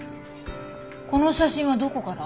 この写真はどこから？